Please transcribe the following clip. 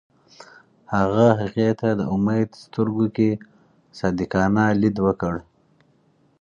هغه هغې ته د امید سترګو کې صادقانه لید وکړ.